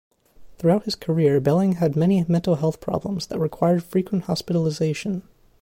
Throughout his career Belling had many mental health problems that required frequent hospitalisation.